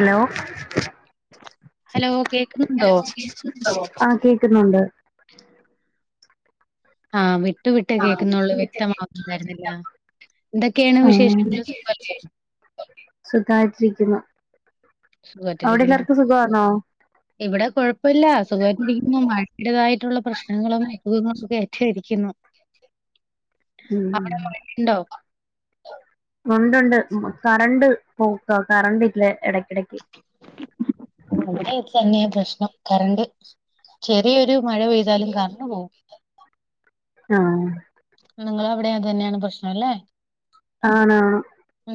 Hello hello കേക്കുന്നുണ്ടോ? ആ കേക്കുന്നുണ്ട് ആഹ് വിട്ടു വിട്ട് കേൾക്കുന്നുള്ള വ്യക്തമാവണ്ടായിരുന്നില്ല ആ സുഗായിട്ടിരിക്കുന്നു അവിടെ സുഖായിട്ടിരിക്കുന്നു. എല്ലാർക്കും സുഖമാണോ ഇവിടെ കുഴപ്പില്ല സുഖായിട്ടിരിക്കുന്നു മഴടതായിട്ടുള്ള പ്രശ്നങ്ങളും അസുഖങ്ങളൊക്കെ രിക്കുന്നു ഉ ഉണ്ട്ണ്ട് കറണ്ട് പോക്ക കറണ്ട് ഇല്ല ഇടക്കിടക്ക് അത തന്നെയ പ്രശ്നം കരണ്ട് ചെറിയൊ മഴ പെയ്താലും കറണ്ട് പോകും ആ ണങ്ങളൾ അവിടെ അതന്നെയാണ് പ്രശ്നം അല്ലേ ആണ് ആണ്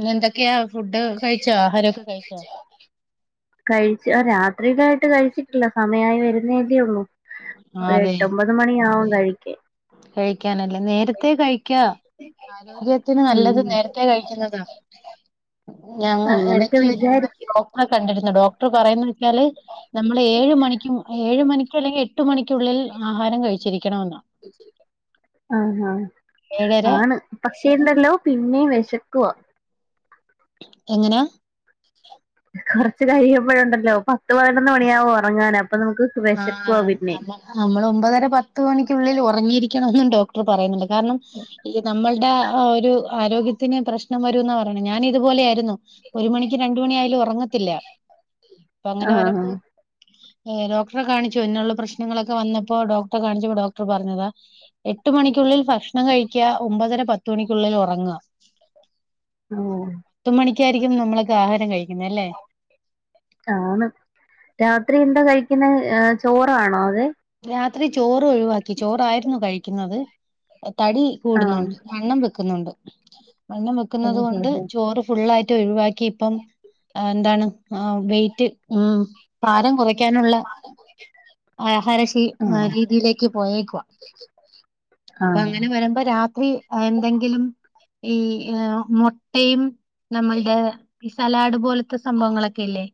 പി എന്തൊക്കെയാ ഫുഡ് കഴിച്ചോ ആഹാരൊക്കെ കഴിച്ചോ കഴിച്ച് രാത്രിയിലായിട്ട് കഴിച്ചിട്ടില്ല സമയമായി വരുന്നേല്ലേള്ളൂ ആ ഒരു അതെ എട്ടൊമ്പത് മണിയാവും കഴിക്കാൻ കഴിക്കാനല്ലേ നേരത്തെ കഴിക്കാ ആരോഗ്യത്തിന് ഉം നല്ലത് നേരത്തെ കഴിക്കുന്നതാ ഞങ്ങ അങ്ങനൊക്കെ ഇടക്ക് വ വിചാരിക്കും ഡോക്ടറെ കണ്ടിരുന്നു ഡോക്ടർ പറയുന്നത് വെച്ചാല് നമ്മള് ഏഴ് മണിക്കും ഏഴ് മണിക്ക അല്ലെങ്കിൽ എട്ട് മണിക്കുള്ളിൽ ആഹാരം കഴിച്ചിരിക്കണമെന്ന ഉ ആഹ് ആഹ് ഏഴര ആണ് പക്ഷേ ഉണ്ടല്ലോ പിന്നെ വിശക്കുവ എങ്ങനാ കുറച്ച് കഴിയുമ്പോഴുണ്ടല്ലോ പത്ത് പതിനൊന്ന് മണിയാവോ ഉറങ്ങാന അപ്പൊ നമുക്ക് വിശക്കുവാ ആഹ് പിന്നെയും നമ്മൾ ഒമ്പതര പത്ത് മണിക്കുള്ളിൽ ഉറങ്ങിയിരിക്ക നമ്മളുടെ ഒരു ആരോഗ്യത്തിന് പ്രശ്നം വരുംന്ന പറയണ ഞാന് ഇതുപോലെ ആയിരുന്നു ഒരു മണിക്ക് രണ്ട് മണി ആയാലും ഉറങ്ങത്തില്ല അപ്പൊ അങ്ങനെ ആ വരുമ്പോ ഏ, ഡോക്ടറെ കാണിച്ചു എന്നുള്ള പ്രശ്നങ്ങളൊക്കെ വന്നപ്പോ ഡോക്ടറെ കാണിച്ചപ്പോ ഡോക്ടർ പറഞ്ഞതാ എട്ട് മണിക്കുള്ളിൽ ഭക്ഷ ഭക്ഷണം കഴിക്ക ഓ പത്ത് മണിക്കായിരിക്കും നമ്മൾക്ക് ആഹാരം കഴിക്കുന്ന അല്ലേ ആണ് രാത്രി എന്തോ കഴിക്കുന്ന ചോറാണോ അതൊ രാത്രി ചോറ് ഒഴിവാക്കി ചോറായിരുന്നു കഴിക്കുന്നത് തടി ആഹ് കൂടുന്നുണ്ട് വണ്ണം വെക്കുന്നുണ്ട് വണ്ണം വെക്കുന്നത് കൊണ്ട് ഓഹോ ചോറ് ഫുള്ളായിട്ട ഒഴിവാക്കി ഇപ്പം ആഹ് ഭാരം കുറയ്ക്കാനുള്ള ആഹാര ഹോ ആ രീതിയിലേക്ക് പോയേക്കുവാ അപ്പൊ ആഹ് അങ്ങനെ വരുമ്പോ രാത്രി എന്തെങ്കിലും ഈ മുട്ടയും നമ്മളുടെ സലാഡ് പോലത്തെ സംഭവങ്ങളൊക്കെല്ലേ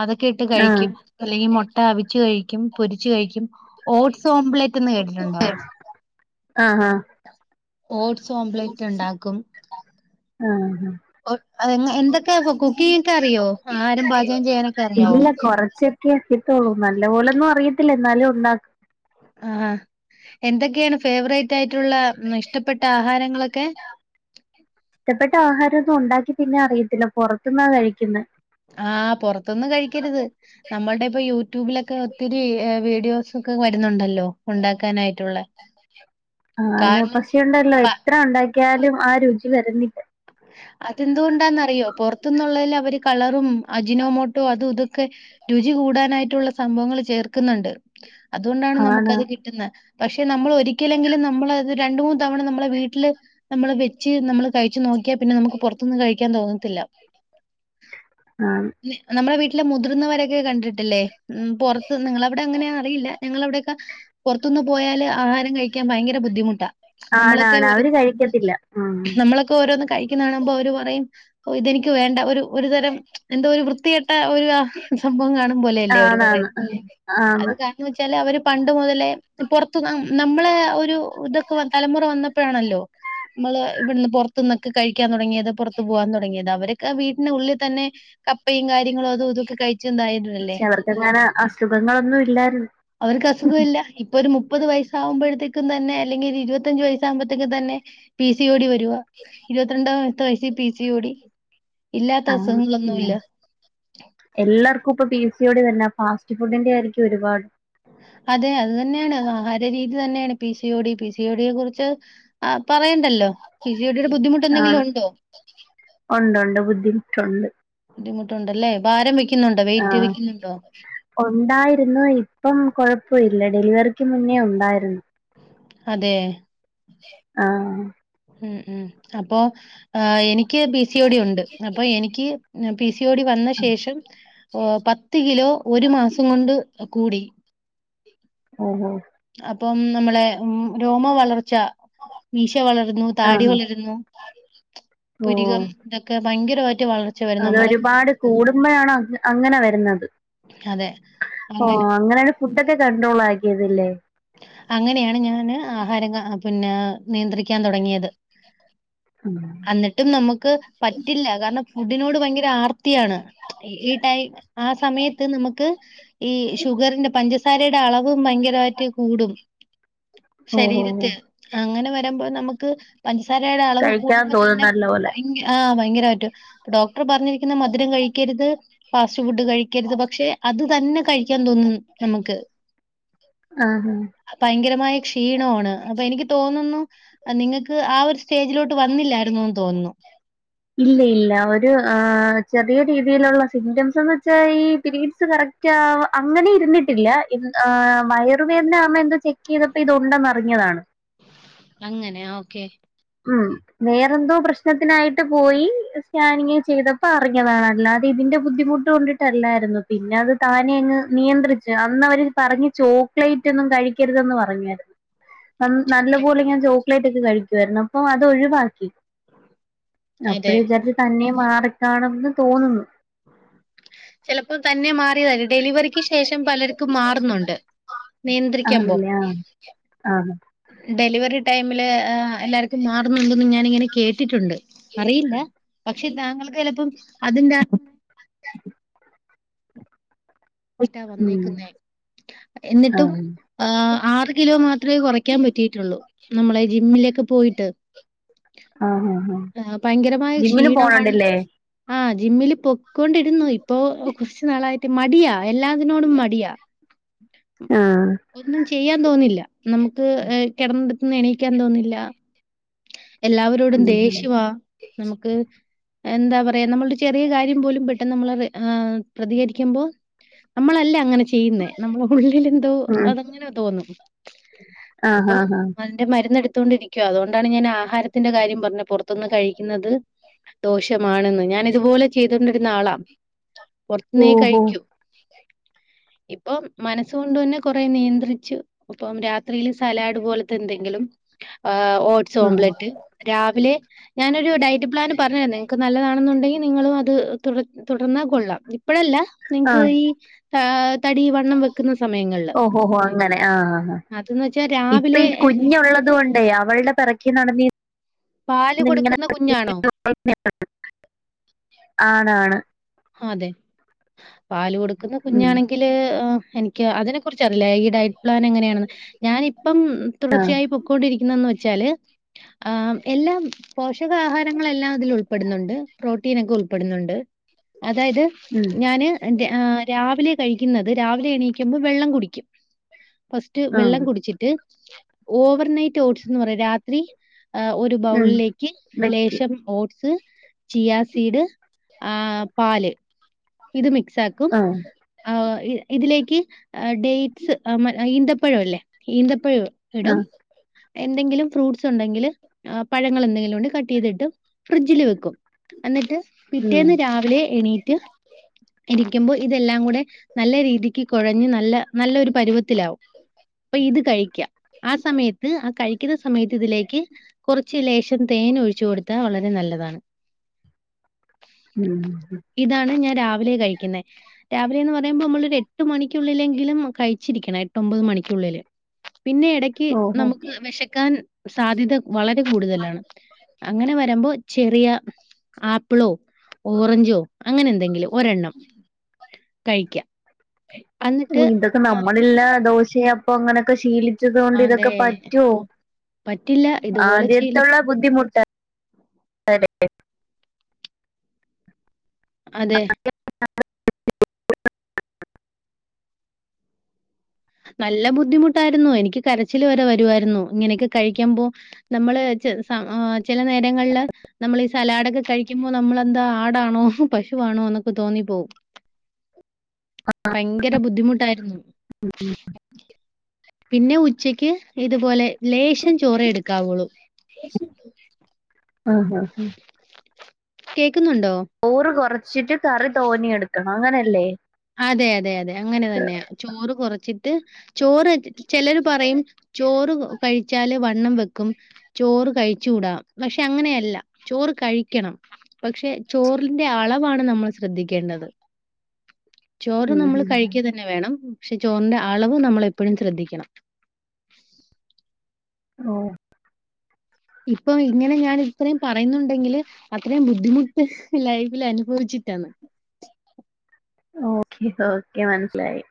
അതൊക്കെ ഇട്ട് ആഹ് കഴിക്കും അല്ലെങ്കിൽ മുട്ട അവിച്ച്കഴിക്കും പൊരിച്ച കഴിക്കും ഓട്സ് ഓംലറ്റ്ന്ന് കേട്ടിട്ടുണ്ടോ ആഹ് ആഹ് ആഹ് ഓട്സ് ഓംലറ്റ് ഉണ്ടാക്കും ആഹ് ഓ- അതെങ്ങ- എന്തൊക്കെ കുക്കിംഗൊക്കെ അറിയോ ആഹാരം പാചകം ചെയ്യാനൊക്കെ അറിയാവോ ഇല്ല കൊറച്ചൊക്കെ നല്ല പോലൊന്നും അറിയത്തില്ല എന്നാലും ഉണ്ടാക്കും ആഹ് എന്തൊക്കെയാണ് ഫേവറേറ്റ് ആയിട്ടുള്ള ഇഷ്ടപ്പെട്ട ആഹാരങ്ങളൊക്കെ ഇഷ്ടപ്പെട്ട ആഹാരംന്നും ഉണ്ടാക്കി തിന്നാൻ അറിയത്തില്ല പുറത്ത്ന്നാ കഴിക്കുന്നത് ആഹ് പുറത്തൊന്നും കഴിക്കരുത് നമ്മളുടെ ഇപ്പ യു യൂട്യൂബിലൊക്കെ ഒത്തിരി വീഡിയോസ് ഒക്കെ വരുന്നുണ്ടല്ലോ ഉണ്ടാക്കാനായിട്ടുള്ള ആണ് കാരണം പക്ഷയുണ്ടല്ലോ പ എത്ര ഉണ്ടാക്കിയാലും ആ രുചി വരുന്നില്ല അതെന്തുകൊണ്ടാന്നറിയോ പുറത്തന്നുള്ളതിൽ അവര് കളറും അജിനോമോട്ടോ അതും ഇതൊക്കെ രുചി കൂടാനായിട്ടുള്ള സംഭവങ്ങൾ ചേർക്കുന്നുണ്ട്. അതുകൊണ്ടാണ് ആണ് നമുക്കത് കിട്ടുന്ന. പക്ഷെ നമ്മള് ഒരിക്കലെങ്കിലും നമ്മള് അത് രണ്ട് മൂന്ന് തവണ നമ്മളെ വീട്ടില് നമ്മള് വെച്ച് നമ്മള് കഴിച്ചു നോക്കി. ക്കിയ നമുക്ക് പുറത്തന്ന് കഴിക്കാൻ തോന്നത്തില്ല ആണ് നമ്മടെ വീട്ടിൽ ഇല്ല മുതിർന്നവരൊക്കെ കണ്ടിട്ടല്ലേ ഉം പുറത്ത് നിങ്ങളവിടെ അങ്ങനെ അറിയില്ല ഞങ്ങളവിടെക്ക പുറത്തുന്നന്ന് പോയാല് ആഹാരം കഴിക്കാൻ ഭയങ്കര ബുദ്ധിമുട്ടാ നമ്മളൊക്കെ ആണാണ് ഒരു അവര് കഴിക്കത്തില്ല ഉം നമ്മളൊക്കെ ഓരോന്നൊക്കെ കഴിക്കുന്ന കാണുമ്പോ അവര് പറയും ഇതെനിക്ക് വേണ്ട ഒരു ഒരു തരം എന്തോ ഒരു വൃത്തിയെട്ട ഒരു സംഭവം കാണും പോലെല്ലേ അവര് ആണാണ് പറയുന്നേ. അത് ആന്ന് കാരണം വെച്ചാല് അവര് പണ്ട് മുതൽ ലെ പുറത്തുന്ന് നമ്മളെ ഒരു ഇതൊക്കെ തലമുറ വന്നപ്പോഴാണല്ലോ നമ്മള് ഇവിടെന്ന് പൊറത്തുന്നൊക്കെ കഴിക്കാൻ തുടങ്ങിയത് പുറത്തത്ത് പോകാൻ തുടങ്ങിയത് അവരെ വീട്ടന്റെ ഉള്ളിൽ തന്നെ കപ്പയും കാര്യങ്ങളും അതും ഇതൊക്കെ കഴി പക്ഷെ അവർക്ക്ങ്ങനെ അസുഖങ്ങളൊന്നും ഇല്ലായിരുന്നു. അവർക്ക് അസുഖം ഇല്ല ഇപ്പൊ ഒരു മുപ്പത് വയസ് ആകുമ്പോഴത്തേക്കും തന്നെ ആവുമ്പഴത്തേക്കും തന്നെ അല്ലെങ്കിൽ ഇരുപത്തഞ്ച വയസ്സ് ആകുമ്പഴത്തേക്കും തന്നെ പി സി ഒ ഡി വരുവാ. ഇരുപത്തിരണ്ടാമത്തെ വയസ്സിൽ പി സി ഓടി ആ ഉം എല്ലാർക്കും ഇപ്പൊ പിസി പിസി ഓടി തന്നാ ഫാസ്റ്റ് ഫുഡിന്റെ ആയിരിക്കും ഒരുപാട്. അതെ അത് തന്നെയാണ് ആഹാര രീതി തന്നെയാണ് P C O D P സിഓ ഡിയെ കുറിച്ച് ആ പറയണ്ടല്ലോ പിസി ഓ ഡിയുടെ ബുദ്ധിമുട്ട് ആണ് എന്തെങ്കിലും ഉണ്ടോ ട്ടുണ്ട് ബുദ്ധിമുട്ടുണ്ടല്ലേ ഭാരം വയ്ക്ക് ആ ഉണ്ടായിരുന്നു ഇപ്പം കൊഴ പ്പ ഇല്ല ഡെലിവറിക്ക് മുന്നേ ഉണ്ടായിരുന്നു അതെ ആ ഉം ഉം അപ്പോ ആ എനിക്ക് ക്ക് പി സ ടി ഉണ്ട് അപ്പോ എനിക്ക് പി സി ടി വന്ന ശേഷം ഓ പത്ത്കിലോ ഒരു മാസം കൊണ്ട് കൂടി ഓ ഹോ അപ്പം നമ്മളെ രോമ വളർ ച്ച മീശ വളരുന്നു താടി ആഹ് വളരുന്നു പുരികം ഓഹ് ഇതൊക്കെ ഭയങ്കര അതൊരുപാട് കൂടുമ്പോഴാണോ അങ്ങ അങ്ങനെ വരുന്നത് അതെ ഓ അങ്ങനെ അങ്ങനാണ് ഫുഡൊക്കെ കണ്ട്രോൾ ആക്കിയത് ലേ അങ്ങനെയാണ് ഞാന് ആഹാരം ങ്ങ പിന്നെ നിയന്ത്രിക്കാൻ തുടങ്ങിയത് ഉ [unintelligible] അന്നിട്ടും നമുക്ക് പറ്റില്ല കാരണം ഫുഡിനോട് ഭയങ്കര ആർത്തിയാണ് ഈ ടൈ ആ സമയത്ത് നമുക്ക് ഈ ഷുഗറിന്റെ പഞ്ചസാരയുടെ അളവും ഭയങ്കരമായിട്ട് കൂടും ഓഹോ ശരീരത്തിൽ അങ്ങനെ വരുമ്പോ നമുക്ക് പാൻസാരയുടെ അളവ് കഴിക്കാൻ കൂടുമ്പോ തോന്നും തന്നെ നല്ല പോലെ ഭയങ്കര ആ ഭയങ്കരമായിട്ട ഡോക്ടർ പറഞ്ഞിരിക്കുന്ന മധുരം കഴിക്കരുത് ഫാസ്റ്റ് ഫുഡ് കഴിക്കരുത് പക്ഷെ അത് തന്നെ കഴിക്ക ൻ തോന്നും നമുക്ക് ആഹ് ഭയങ്കരമായി ക്ഷീണമാണ് അപ്പൊ എനിക്ക് തോന്നുന്നു നിങ്ങൾക്ക് ആ ഒരു സ്റ്റേജിലോട്ട് വന്നില്ലായിുന്നന്ന് തോന്നുന്നു ഇല്ല ഇല്ല ഒരു ആ ചെറിയ രീതിയിലുള്ള സിംറ്റംസ്ന്ന് വെച്ചാ ഈ പരീഡ്സ് കറക്റ്റ് അങ്ങനെ ഇരുന്നിട്ടില്ല് ഇൻ ആ വയറു വേദന ആമ എന്തോ ചെക്ക് ചെയ്തപ്പോ ഇത് ഒണ്ടാന്നറിഞ്ഞതാണ് അങ്ങനെയ ഓക്കെ ഉം വേറെന്തോ പ്രശ്നത്തിനായിട്ട് പോയി സ്കാനിങ് ചെയ്തപ്പോ അറിഞ്ഞതാണ് അല്ലാതെ അത ഇതിന്റെ ബുദ്ധിമുട്ട് കൊണ്ടിട്ടല്ലായിരുന്നു പിന്നെ അത് താനെ അങ്ങ് നിയന്ത്രിച്ച് അന്ന് അവര് പറ ചോക്ലേറ്റ് ഒന്നും കഴിക്കരുതെന്ന് പറഞ്ഞരുന്നു [inaudible] നല്ല ചോക്ലേറ്റ്. പോലെ ഞാൻ ചോക്ലേറ്റ് ഒക്കെ അതെ. അപ്പോഴാ വിചാരിച്ച തന്നെ മാറിക്കണെന്ന് തോന്നുന്നു [inaudible] ചിലപ്പോ തന്നെ മാറിയത ഡെലിവറിക്ക് ശേഷം പലർക്കും മാറുന്നുണ്ട് നിയന്ത്രിക്കുമ്പോ. ആണല്ലേ ആഹ് ആഹ് ഡെലിവറി ടൈമിൽ എല്ലാവർക്കും അറിയില്ല പക്ഷെ താങ്കൾക്ക് ചിലപ്പോ അതിന്റെ [inaudible] [unintelligible] ഉം വന്നേക്കുന്നേ എന്നിട്ടും ആഹ് ആ ആറ് കിലോ മാത്രമേ കുറയ്ക്കാൻ പറ്റിട്ടുള്ളൂ നമ്മളെ ജിമ്മിലെ ഇപ്പ പോയിട്ട് ആഹ് ആഹ് ആഹ് ആ ഭയങ്കരമായ ജിമ്മിന് ക്ഷീണമാണ് പോണണ്ടല്ലേ ആഹ ജിമ്മില് പൊക്കൊണ്ടിരുന്നു ഇപ്പൊ കുറച്ചു നാളായിട്ട് മടിയാ എല്ലാത്തിനോടും മടിയാ ആഹ് ഒന്നും ചെയ്യാൻ തോന്നില്ല നമുക്ക് കിടന്നിട്ട് എണീക്കാൻ തോന്നില്ല എല്ലാവരോടും ഉം ദേഷ്യവാ നമുക്ക് എന്താ പറയാ നമ്മളുടെ ചെറിയ കാര്യം പോലും പെട്ടെന്ന് നമ്മൾ അത് പ്രതികരിക്കുമ്പോൾ നമ്മളല്ലേ അങ്ങനെ ചെയ്യുന്നേ നമ്മള ഉള്ളിൽ അത് എന്തോ ഉം അതങ്ങനെ തോന്നും. ആഹ് ഇപ്പൊ ആഹ് ആഹ് അതിന്റെ മരുന്ന് ത്തണ്ടിരിക്കുവ അതുകൊണ്ടാണ് ഞാൻ എടുത്തു കൊണ്ടിരിക്കുവാ ആഹാരത്തിന്റെ കാര്യം പറഞ്ഞ പുറത്തനിന്ന് കഴിക്കുന്നത് ദോഷം ആണെന്ന് ഞാൻ ഇതുപോലെ ചെയ്തൊണ്ടിരുന്ന ആളാ പുറത്തുന്നെ ഓഹോ കഴിക്കൂ ഇപ്പോ മനസ്സ് കൊണ്ട് തന്നെ കൊറേ നിയന്ത്രിച്ചു ഇപ്പം രാത്രി സലാഡ് പോലത്തെ എന്തെങ്കിലും ആ ഓട്സ് ഉം ഓംപ്ലേറ്റ് രാവിലെ ഞാനൊരു ഡയറ്റ് പ്ലാൻ പറഞ്ഞതരുന്നു നിങ്ങക്ക് നല്ലതാണെന്നണ്ടങ്കിൽ നിങ്ങളും അത് തുടർന്നാ കൊള്ളാം ഇപ്പോഴല്ലേ നിങ്ങക്ക് ആഹ് ഈ തടി വണ്ണം വെക്കുന്ന സമയങ്ങളിൽ അത് ഇപ്പോ ഈ കുഞ്ഞള്ളത് കൊണ്ടേ അവളുടെ പിറകെ നടന്ന് പാല് ങ്ങനെ കൊടുക്കുന്ന കുഞ്ഞാണോ? [unintelligible] ആണ് ആണ് പാൽ കൊടുക്കുന്ന കുഞ്ഞാണെങ്കിൽ എനിക്ക് അതിനെ കുറിച്ച്റിയില്ല ഈ ഡയറ്റ് എങ്ങനെയണെന്ന് ഞാൻ ഇപ്പം ആഹ് തുടർച്ചയായി പോയിക്കൊണ്ടിരിക്കുന്നത് വെച്ചാല് ആ എല്ലാം പോഷകാഹാരങ്ങളെല്ലാം അതിൽ ഉൾപ്പെടുന്നുണ്ട് പ്രോട്ടീൻ ഓക്കെ ഉൾപ്പെടുന്നുണ്ട് അതായത് ഉം ഞാന് രാവിലെ കഴിക്കുന്നത് രാവിലെ എണീക്കുമ്പോൾ വെള്ളം കുടിക്കും ഫസ്റ്റ് വെള്ളം ആഹ് കുടിച്ചിട്ട് ഓവർനൈറ്റ് ഓട്സ് പറ രാത്രി ഒരു ഉം ബൗളിലേക്ക് വെക്കും ലേശം ഓട്സ് ചിയ സീഡ് ആ പാല് ഇത് മിക്സ് മിക്സ്‌ ആക്കും ആഹ് ഇതിലേക്ക് ഡേറ്റ്സ് ഈന്തപ്പഴം അല്ലേ ഈന്തപ്പഴം ഇടും ആഹ് എന്തെങ്കിലും ഫ്രൂട്ട്സ് ഉണ്ടെങ്കിൽ പഴങ്ങൾ എന്തെങ്കിലും ഉണ്ടെങ്കിൽ കട്ട് ചെയ്തിട്ട് ഫ്രിഡ്ജിൽ വെക്കും എന്നിട്ട് ഉം പിറ്റേന്ന് രാവിലെ എണീറ്റ് ഇരിക്കുമ്പോ ഇതെല്ലാം കൂടെ നല്ല രീതിക്ക് കുഴഞ്ഞ് നല്ല നല്ലൊരു പരിവത്തിലാവും. അപ്പൊ ഇത് കഴിക്കാം. ആ സമയത്ത് ആ കഴിക്കുന്ന സമയത്ത് ഇതിലേക്ക് കുറച്ച് ലേശം തേൻ ഒഴിച്ചു കൊടുത്താൽ വളരെ നല്ല നല്ലതാണ്. ഉം ഇതാണ് ഞാൻ രാവിലെ കഴിക്കുന്നേ. രാവിലെന്ന് പറയുമ്പോ നമ്മളൊരു എട്ട് മണിക്കുള്ളിലെങ്കിലും കഴിച്ചിരിക്കണം. എട്ടൊമ്പത് മണിക്കുള്ളില്. പിന്നെ എടക്ക് ഓഹോ നമുക്ക് വെശക്കാൻ സാധ്യത വളരെ കൂടുതലാണ്. അങ്ങനെ വരുമ്പോ ചെറിയ ആപ്പിളോ ഓറഞ്ചോ അങ്ങനെ എന്തെങ്കിലും ഒരെണ്ണം കഴിക്ക. ഓ ഇതൊക്ക നമ്മളല്ല ദോശയെ അപ്പൊ അങ്ങനൊക്ക ശീലി ച്ചതോണ്ട് ഇതൊക്കെ അതെ. പറ്റുവൊ പറ്റില്ല. ഇതുപോലെ ശീലിച്ച് ആദ്യത്തുള്ള ബുദ്ധിമുട്ട അതെ. അതെ. നല്ല ബുദ്ധിമുട്ടായിരുന്നു എനിക്ക് കരച്ചിൽ വരെ വരുവായിരുന്നു. ഇങ്ങനെയൊക്കെ കഴിക്കുമ്പോ നമ്മള് ചില സ ചില നേരങ്ങളില് നമ്മളീ സലാഡൊക്കെ കഴിക്കുമ്പോ നമ്മളെന്താ ആടാണോ പശു ണൊന്നൊക്കെ തോന്നിപ്പോവും. ഭയങ്കര ബുദ്ധിമുട്ടായിരുന്നു. ഉം പിന്നെ ഉച്ചക്ക് ഇതുപോലെ ലേശം ചോറേ എടുക്കാവുള്ളു. ആഹ് ആഹ് ആ. കേക്കുന്നുണ്ടോ? ഓറ് കുറച്ചിട്ട് കറി തോന്നേം എടുക്കണം അങ്ങനല്ലേ? അതെ അതെ അതെ അങ്ങനെ തന്നെയ ചോറ് കുറച്ചിട്ട് ചോറ് ചിലർ പറയും ചോറ് കഴിച്ചാല് വ ണ്ണം വെക്കും ചോറ് കഴിച്ചൂട. പക്ഷെ അങ്ങനെയല്ല ചോറ് കഴിക്കണം പക്ഷെ ചോറിന്റെ അളവാണ് നമ്മള് ശ്രദ്ധിക്കേണ്ടത്. ചോറ് ഉം നമ്മള് ഉം കഴിക്ക തന്നെ വേണം. പക്ഷെ ചോറിന്റെ അളവ് നമ്മളെപ്പോഴും ശ്രദ്ധിക്കണം. ഓ ഇപ്പം ഇങ്ങനെ ഞാൻ ഇത്രയും പറയുന്നുണ്ടെങ്കില് അത്രയും ബുദ്ധിമുട്ട് ലൈഫിൽ അനുഭവിച്ച് ട്ടാന്ന്. ഓക്കെ ഓക്കെ മനസിലായി.